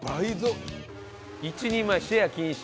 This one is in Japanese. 「１人前シェア禁止」。